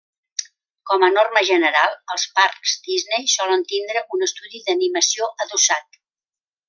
Com a norma general els parcs Disney solen tindre un estudi d'animació adossat.